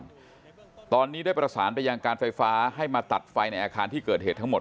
ตอนนี้ได้ประสานไปยังการไฟฟ้าให้มาตัดไฟในอาคารที่เกิดเหตุทั้งหมด